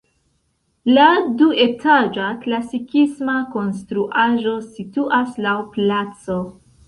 La duetaĝa klasikisma konstruaĵo situas laŭ placo.